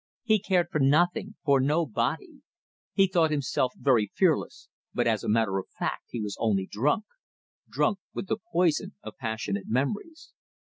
He cared for nothing, for nobody. He thought himself very fearless, but as a matter of fact he was only drunk; drunk with the poison of passionate memories.